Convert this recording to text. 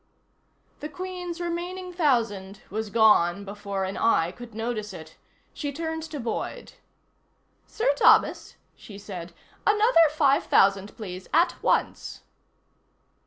The Queen's remaining thousand was gone before an eye could notice it. She turned to Boyd. "Sir Thomas," she said. "Another five thousand, please. At once."